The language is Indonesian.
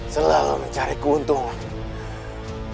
selalu mencari keuntungan